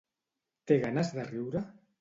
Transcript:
Té ganes de riure?